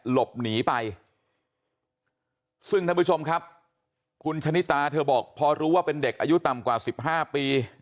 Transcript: หลบหนีไปซึ่งท่านผู้ชมครับคุณชะนิตาเธอบอกพอรู้ว่าเป็นเด็กอายุต่ำกว่า๑๕ปี